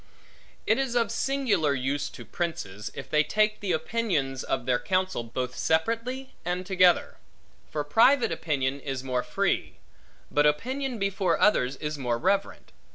It is of singular use to princes, if they take the opinions of their counsel, both separately and together. For private opinion is more free; but opinion before others, is more reverent.